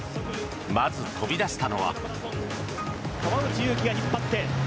まず飛び出したのは。